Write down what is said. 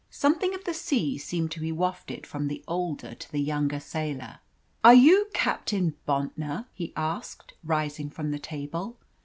Something of the sea seemed to be wafted from the older to the younger sailor. "Are you Captain Bontnor?" he asked, rising from the table.